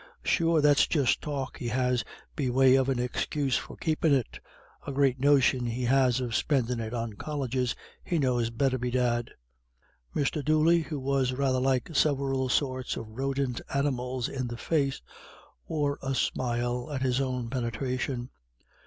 Sure that's just talk he has be way of an excuse for keepin' it. A great notion he has of spendin' it on Colleges. He knows better, bedad." Mr. Dooley, who was rather like several sorts of rodent animals in the face, wore a smile at his own penetration.